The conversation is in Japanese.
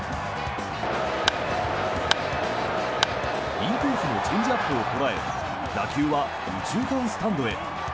インコースのチェンジアップを捉え打球は右中間スタンドへ。